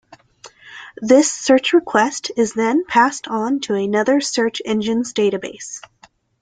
This search request is then passed on to another search engine's database.